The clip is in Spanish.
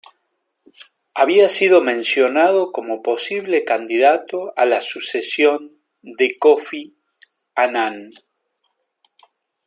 Había sido mencionado como posible candidato a la sucesión de Kofi Annan.